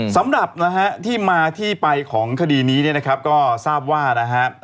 สำหรับนะฮะที่มาที่ไปของคดีนี้เนี่ยนะครับก็ทราบว่านะฮะ